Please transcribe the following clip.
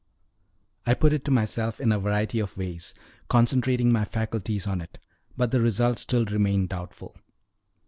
I put it to myself in a variety of ways, concentrating my faculties on it; but the result still remained doubtful.